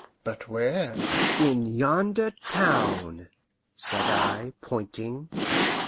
"But where?" "In yonder town," said I, pointing.